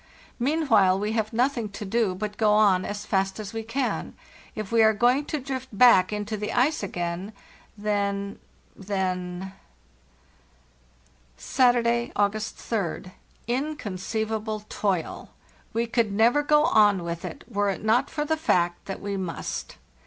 Meanwhile we have nothing to do but go on as fast as we can. If we are going to drift back into the ice again, then— then— "Saturday, August 3d. Inconceivable toil. We never could go on with it were it not for the fact that we must.